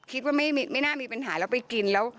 คิดว่าไม่น่ามีปัญหาแล้วไปกินแล้ว